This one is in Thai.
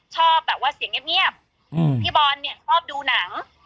ชอบแบบว่าเสียงเงียบพี่บอลเนี่ยชอบดูหนัง